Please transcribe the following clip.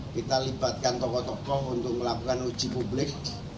kita libatkan tokoh tokoh untuk melakukan uji publik